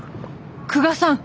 久我さん